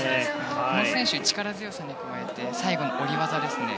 この選手、力強さに加えて最後の下り技ですね。